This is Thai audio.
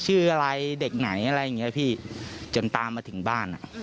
ชื่ออะไรเด็กไหนอะไรอย่างเงี้ยพี่จนตามมาถึงบ้านอ่ะ